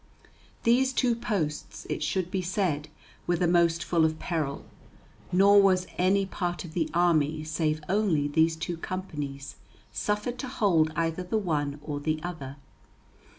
These two posts, it should be said, were the most full of peril; nor was any part of the army save only these two companies suffered to hold either the one or the other.